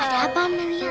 ada apa amelia